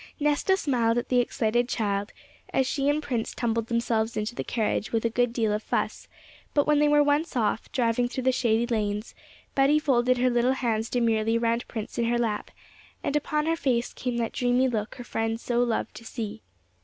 Nesta smiled at the excited child, as she and Prince tumbled themselves into the carriage with a good deal of fuss; but when they were once off, driving through the shady lanes, Betty folded her little hands demurely round Prince in her lap, and upon her face came that dreamy look her friend so loved to see.